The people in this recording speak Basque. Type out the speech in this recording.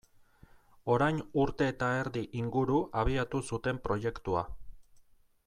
Orain urte eta erdi inguru abiatu zuten proiektua.